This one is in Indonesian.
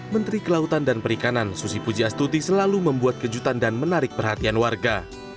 menteri kelautan dan perikanan susi pujiastuti selalu membuat kejutan dan menarik perhatian warga